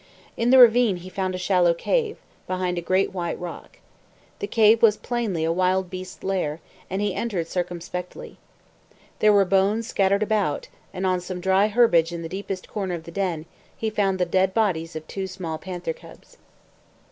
In the ravine he found a shallow cave, behind a great white rock. The cave was plainly a wild beast's lair, and he entered circumspectly. There were bones scattered about, and on some dry herbage in the deepest corner of the den, he found the dead bodies of two small panther cubs.